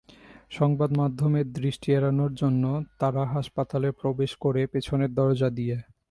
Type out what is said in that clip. সংবাদমাধ্যমের দৃষ্টি এড়ানোর জন্য তাঁরা হাসপাতালে প্রবেশ করেন পেছনের দরজা দিয়ে।